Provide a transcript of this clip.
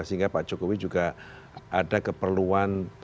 sehingga pak jokowi juga ada keperluan